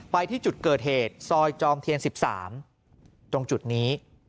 ไปที่จุดเกิดเหตุซอยจอมเทียน๑๓ตรงจุดนี้